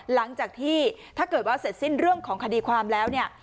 หลังจากที่ถ้าเกิดว่าเสร็จสิ้นเรื่องของคดีความแล้วเนี่ย